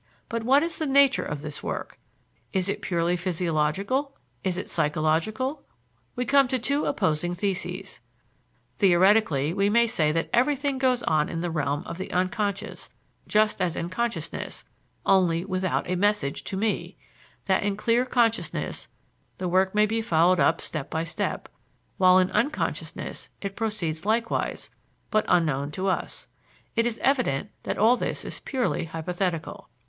But what is the nature of this work? Is it purely physiological? Is it psychological? We come to two opposing theses. Theoretically, we may say that everything goes on in the realm of the unconscious just as in consciousness, only without a message to me; that in clear consciousness the work may be followed up step by step, while in unconsciousness it proceeds likewise, but unknown to us. It is evident that all this is purely hypothetical.